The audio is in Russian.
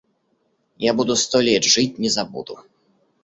Я буду сто лет жить, не забуду.